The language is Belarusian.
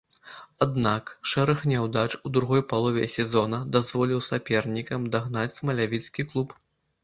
Аднак, шэраг няўдач у другой палове сезона дазволіў сапернікам дагнаць смалявіцкі клуб.